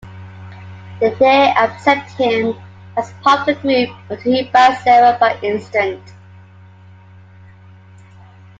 They accept him as part of the group until he bites Cera by instinct.